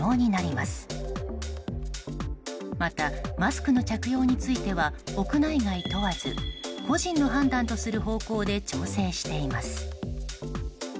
また、マスクの着用については屋内外問わず個人の判断とする方向で調整しています。